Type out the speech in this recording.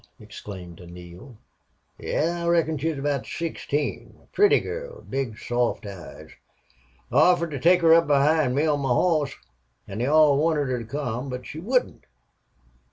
exclaimed Neale. "Yes. I reckon she was about sixteen. A pretty girl with big, soft eyes. I offered to take her up behind me on my hoss. An' they all wanted her to come. But she wouldn't....